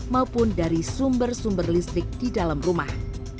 maupun dari sumber sumber listrik di dalam rumah